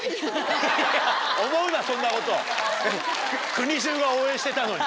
国じゅうが応援してたのに。